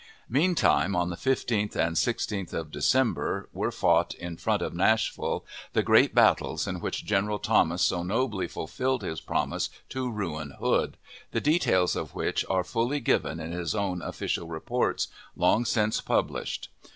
Meantime, on the 15th and 16th of December, were fought, in front of Nashville, the great battles in which General Thomas so nobly fulfilled his promise to ruin Hood, the details of which are fully given in his own official reports, long since published.